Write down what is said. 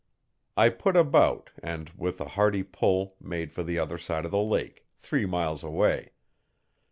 I put about and with a hearty pull made for the other side of the lake, three miles away.